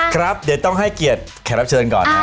ครับเดี๋ยวต้องให้เกียรติแข่งรับเชิญก่อน